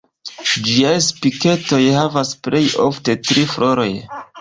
Ĝiaj Spiketoj havas plej ofte tri floroj.